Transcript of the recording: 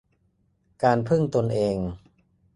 การพึ่งตนเอง